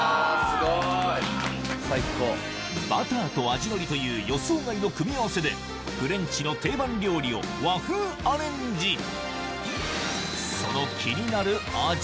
すごい！バターと味のりという予想外の組み合わせでフレンチの定番料理を和風アレンジん！